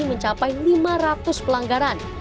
mencapai lima ratus pelanggaran